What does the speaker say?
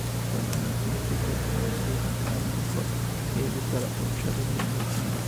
Fue musicalizada por Mario Ruiz Armengol y editada por Charles L. Kimball.